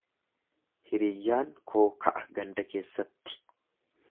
Hiriyyaan koo ka'a ganda keessatti.